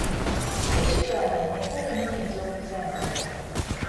Tekigaana empale muyinza okuzambala.